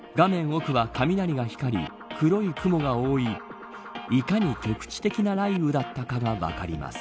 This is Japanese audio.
奥は雷が光り黒い雲が多いいかに局地的な雷雨だったかが分かります。